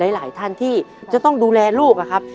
หลายท่านที่จะต้องดูแลลูกนะครับ